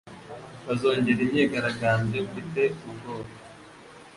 Bazongera imyigaragambyo?" "Mfite ubwoba."